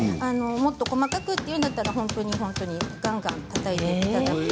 もっと細かくというのだったら本当に本当にがんがんたたいていただくと。